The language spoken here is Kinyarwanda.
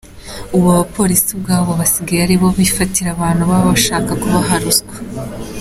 Ubu abapolisi ubwabo basigaye aribo bifatira abantu baba bashaka kubaha ruswa.